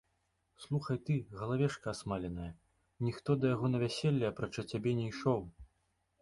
Слухай ты, галавешка асмаленая, ніхто да яго на вяселле, апрача цябе, не ішоў.